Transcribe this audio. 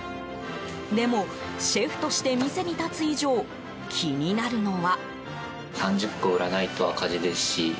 でも、シェフとして店に立つ以上、気になるのは。